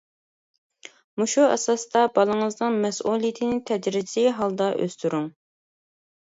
مۇشۇ ئاساستا بالىڭىزنىڭ مەسئۇلىيىتىنى تەدرىجىي ھالدا ئۆستۈرۈڭ.